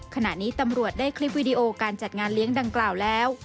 ขณะนี้ตำรวจได้คลิปวิดีโอการจัดงานเลี้ยงดังกล่าวแล้ว